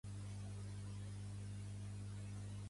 Doblegarà discos de “La Barbacoa”.